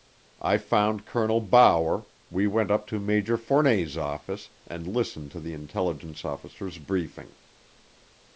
I found Colonel Bower, we went up to Major Fournet's office and listened to the intelligence officer's briefing.